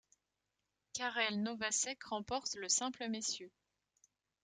Karel Nováček remporte le simple messieurs.